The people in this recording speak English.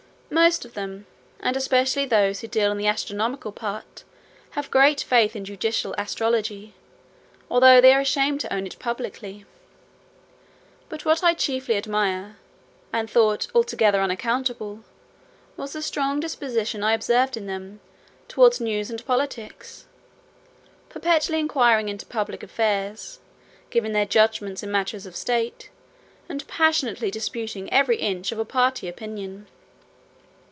Most of them, and especially those who deal in the astronomical part, have great faith in judicial astrology, although they are ashamed to own it publicly. But what I chiefly admired, and thought altogether unaccountable, was the strong disposition I observed in them towards news and politics, perpetually inquiring into public affairs, giving their judgments in matters of state, and passionately disputing every inch of a party opinion.